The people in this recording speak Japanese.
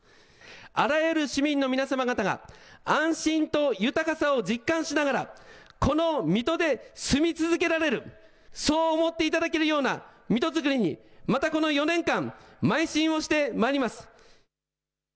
あらゆる市民の皆様方が安心と豊かさを実感しながらこの水戸で住み続けられる、そう思っていただけるような水戸づくりに、またこの４年間、まい進をしてまいります。